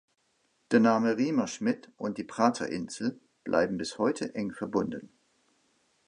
Der Name Riemerschmid und die Praterinsel bleiben bis heute eng verbunden.